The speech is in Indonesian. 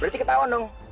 berarti ketahuan dong